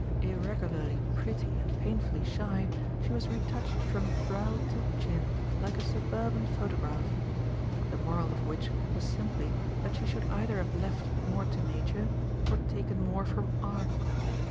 Irregularly pretty and painfully shy, she was retouched from brow to chin like a suburban photograph the moral of which was simply that she should either have left more to nature or taken more from art.